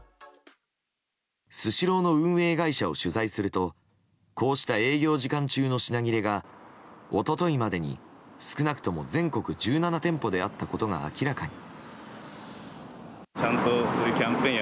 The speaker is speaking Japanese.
スシローの運営会社を取材するとこうした営業時間中の品切れが一昨日までに少なくとも全国１７店舗であったことが明らかに。